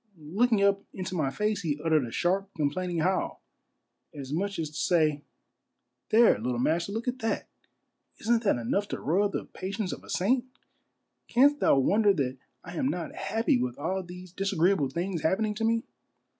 Looking up into my face, he uttered a sharp, complaining howl, as much as to say, " There, little master, look at that. Isn't that enough to roil the patience of a saint ? Canst thou wonder that I am not happy with all these disagreeable things happening to me